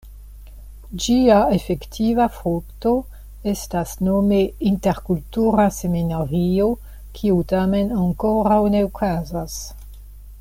Ĝia efektiva frukto estas nome "Interkultura Seminario", kiu tamen ankoraŭ ne okazas.